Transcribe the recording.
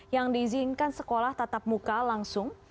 yang diizinkan sekolah tatap muka langsung